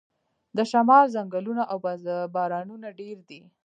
د شمال ځنګلونه او بارانونه ډیر دي.